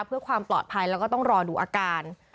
เพื่อความปลอดภัยแล้วก็ต้องรอดูอาการ